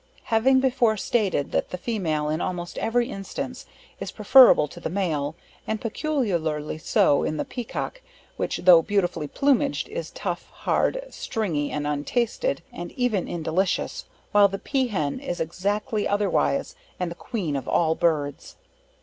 Having before stated that the female in almost every instance, is preferable to the male, and peculiarly so in the Peacock, which, tho' beautifully plumaged, is tough, hard, stringy, and untasted, and even indelicious while the Pea Hen is exactly otherwise, and the queen of all birds.